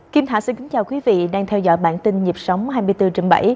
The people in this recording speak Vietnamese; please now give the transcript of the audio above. kim thảo xin kính chào quý vị đang theo dõi bản tin nhịp sóng hai mươi bốn h bảy